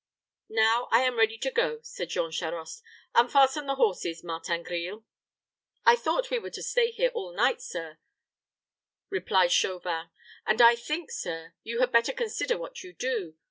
"Now I am ready to go," said Jean Charost. "Unfasten the horses, Martin Grille." "I thought we were to stay here all night, sir," replied Chauvin, "and I think, sir, you had better consider what you do.